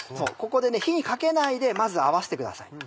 ここで火にかけないでまず合わせてください。